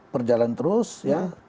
perjalanan terus ya